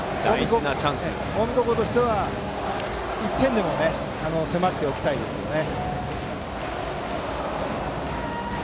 近江高校としては１点でも迫っておきたいですね。